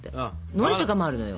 のりとかもあるのよ。